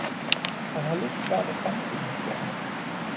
Han har lidt svært af tandpine, ser man